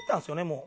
もう。